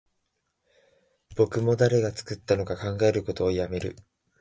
僕も誰が作ったのか考えることをやめる